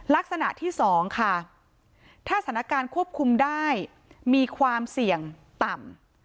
ลักษณะที่สองค่ะถ้าสถานการณ์ควบคุมได้มีความเสี่ยงต่ำ